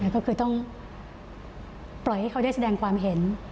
ก็คือต้องปล่อยให้เขาได้แสดงความเห็น